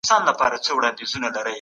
الله تعالی عادل ذات دی.